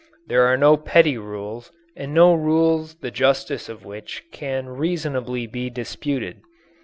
There are no petty rules, and no rules the justice of which can reasonably be disputed.